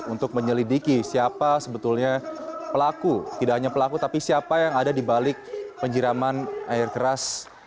untuk menyelidiki siapa sebetulnya pelaku tidak hanya pelaku tapi siapa yang ada di balik penyiraman air keras